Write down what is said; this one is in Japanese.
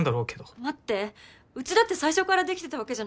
待ってうちだって最初からできてたわけじゃないよ。